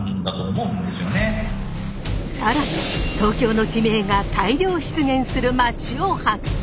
更に東京の地名が大量出現する街を発見！